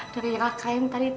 dari rakaim tadi